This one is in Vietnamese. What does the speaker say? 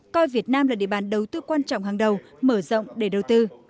coi việt nam là địa bàn đầu tư quan trọng hàng đầu mở rộng để đầu tư